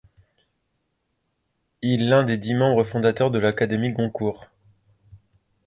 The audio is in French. Il l'un des dix membres fondateurs de l'académie Goncourt.